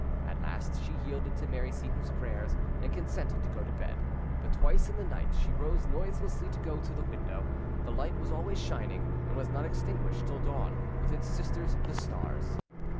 At last she yielded to Mary Seyton's prayers, and consented to go to bed; but twice in the night she rose noiselessly to go to the window: the light was always shining, and was not extinguished till dawn, with its sisters the stars.